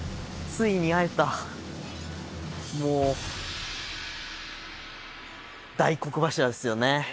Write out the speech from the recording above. ついに会えたもう大黒柱ですよね